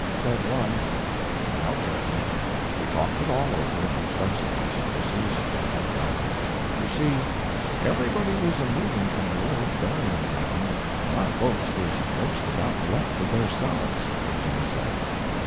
Said one: "Now, John, we talked it all over amongst ourselves, and this is what we've done. You see, everybody was a movin' from the old buryin' ground, and our folks was 'most about left to theirselves, as you may say.